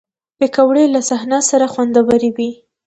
پکورې له صحنه سره خوندورې وي